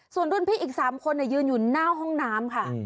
ส่วนรุ่นพี่อีก๓คนยืนอยู่หน้าห้องน้ำค่ะ